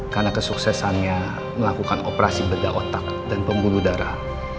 karena kesuksesannya melakukan operasi bedah otak dan pembuluh darah